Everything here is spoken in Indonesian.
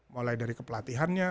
mulai dari kepelatihannya